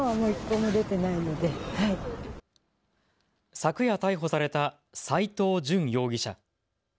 昨夜逮捕された斎藤淳容疑者。